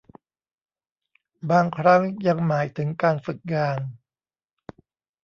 บางครั้งยังหมายถึงการฝึกงาน